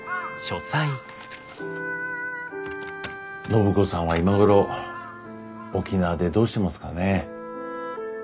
暢子さんは今頃沖縄でどうしてますかね。